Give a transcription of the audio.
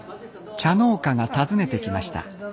茶農家が訪ねてきました